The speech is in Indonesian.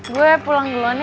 gue pulang duluan ya